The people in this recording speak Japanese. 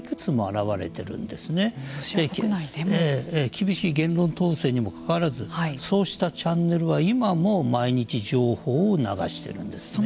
厳しい言論統制にも関わらずそうしたチャンネルは今も毎日情報を流してるんですね。